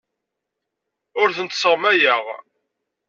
Ur tent-sseɣmayeɣ.